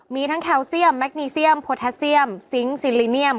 มีทั้งแคลเซียมแมคนีเซียมโพแทสเซียมซิงค์ซิลิเนียม